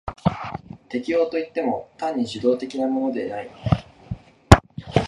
適応といっても単に受動的なものでない。